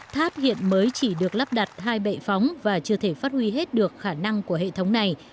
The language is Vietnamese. tháp hiện mới chỉ được lắp đặt hai bệ phóng và chưa thể phát huy hết được khả năng của hệ thống này